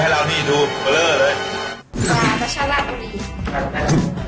ปลาปลาช่อนลาดบุรี